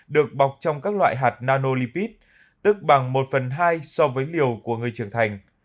được bọc trong các loại hạt nanolipid tức bằng một phần hai so với liều của người trưởng thành